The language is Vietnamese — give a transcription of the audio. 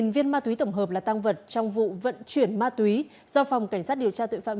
năm mươi năm viên ma túy tổng hợp là tang vật trong vụ vận chuyển ma túy do phòng cảnh sát điều tra tội phạm